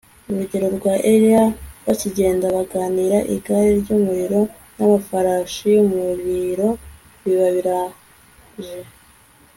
urugero rwa eliya bakigenda baganira igare ry'umuriro n'amafarasi y'umuriro biba biraje